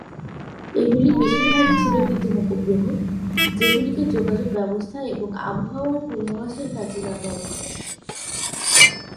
এগুলি বেশিরভাগই ছিল কৃত্রিম উপগ্রহ, যেগুলিকে যোগাযোগ ব্যবস্থা এবং আবহাওয়ার পূর্বাভাসের কাজে ব্যবহার করা হত।